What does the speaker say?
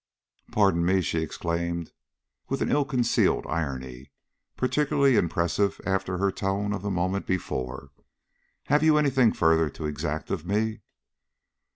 "Pardon me," she exclaimed, with an ill concealed irony, particularly impressive after her tone of the moment before, "have you any thing further to exact of me?"